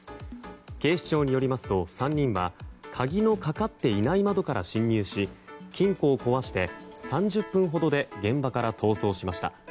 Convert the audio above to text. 警視庁によりますと３人は鍵のかかっていない窓から侵入し金庫を壊して３０分ほどで現場から逃走しました。